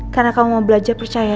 karena kamu mau belajar percaya